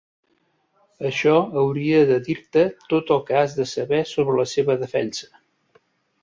Això hauria de dir-te tot el que has de saber sobre la seva defensa.